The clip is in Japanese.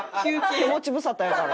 手持ち無沙汰やから。